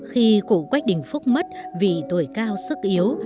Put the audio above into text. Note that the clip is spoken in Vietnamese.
khi cụ quách đình phúc mất vì tuổi cao sức yếu